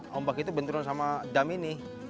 ombak itu benturan sama dam ini